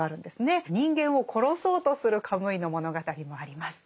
人間を殺そうとするカムイの物語もあります。